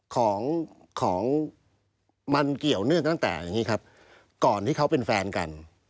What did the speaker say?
ของของมันเกี่ยวเนื่องตั้งแต่อย่างนี้ครับก่อนที่เขาเป็นแฟนกัน